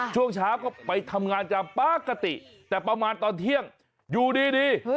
ช่วงเช้าก็ไปทำงานตามปกติแต่ประมาณตอนเที่ยงอยู่ดี